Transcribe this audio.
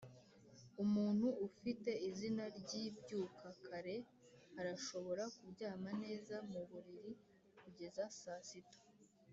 umuntu ufite izina ryibyuka kare arashobora kuryama neza muburiri kugeza saa sita